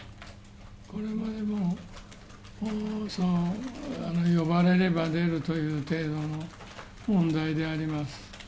これまでも呼ばれれば出るという程度の問題であります。